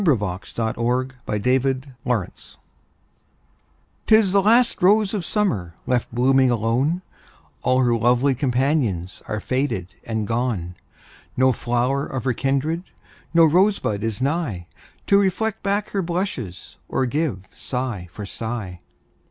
BRYANT 'TIS THE LAST ROSE OF SUMMER 'Tis the last rose of summer Left blooming alone; All her lovely companions Are faded and gone; No flower of her kindred, No rosebud is nigh, To reflect back her blushes, Or give sigh for sigh.